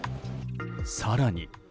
更に。